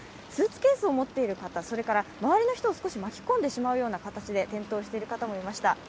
スーツケースを持っている方、それから周りの人を巻き込んでしまうように転倒している方もいました。